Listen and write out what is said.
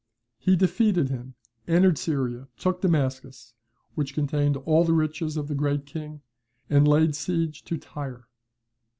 He defeated him, entered Syria, took Damascus, which contained all the riches of the Great King, and laid siege to Tyre.